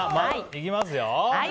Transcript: いきますよ。